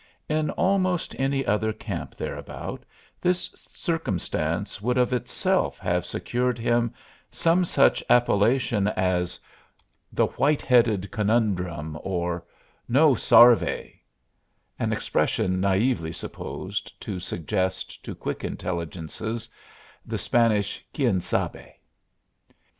In almost any other camp thereabout this circumstance would of itself have secured him some such appellation as "The White headed Conundrum," or "No Sarvey" an expression naively supposed to suggest to quick intelligences the Spanish quien sabe.